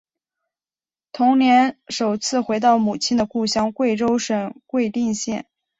同年首次回到母亲的故乡贵州省贵定县。